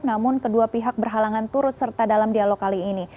namun kedua pihak berhalangan turut serta dalam dialog kali ini